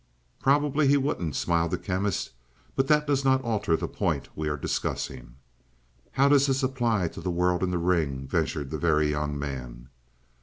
"Probably he wouldn't," smiled the Chemist; "but that does not alter the point we are discussing." "How does this apply to the world in the ring?" ventured the Very Young Man.